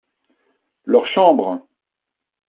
Leur chambre.